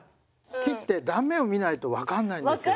切って断面を見ないと分かんないんですよね。